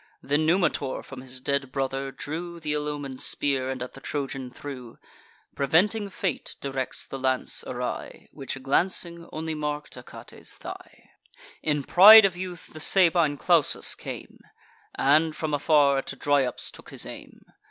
Then Numitor from his dead brother drew Th' ill omen'd spear, and at the Trojan threw: Preventing fate directs the lance awry, Which, glancing, only mark'd Achates' thigh. In pride of youth the Sabine Clausus came, And, from afar, at Dryops took his aim.